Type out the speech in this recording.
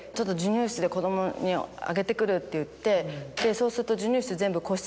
そうすると。